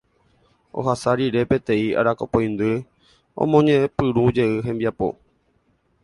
Ohasa rire peteĩ arapokõindy omoñepyrũjey hembiapo.